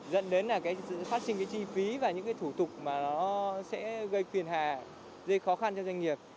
dẫn đến phát sinh chi phí và những thủ tục sẽ gây khuyền hà dây khó khăn cho doanh nghiệp